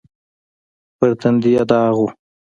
پر تندي يې داغ و.